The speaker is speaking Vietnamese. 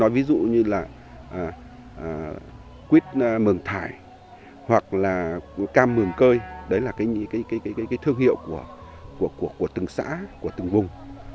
ví dụ như quýt mường thải hoặc cam mường cơi đấy là thương hiệu của từng xã từng vùng